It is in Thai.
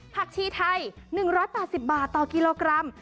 ชีไทย๑๘๐บาทต่อกิโลกรัม